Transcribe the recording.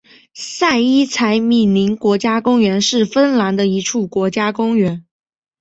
塞伊采米宁国家公园是芬兰的一处国家公园。